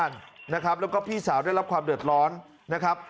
แล้วก็พี่สาวได้รับความเดือดร้อนนะครับ